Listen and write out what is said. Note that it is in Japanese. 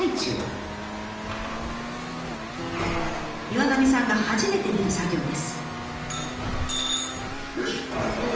岩浪さんが初めて見る作業です。